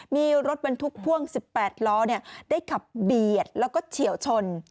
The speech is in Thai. มีรถบรรทุกพ่วง๑๘ล้อได้ขับเบียดแล้วก็เฉียวชน